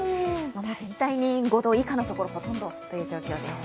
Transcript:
全体的に５度以下のところがほとんどという状況です。